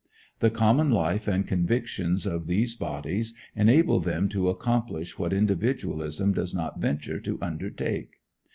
The common life and convictions of these bodies enable them to accomplish what individualism does not venture to undertake.